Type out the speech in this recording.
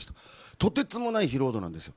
とてつもない疲労度なんです。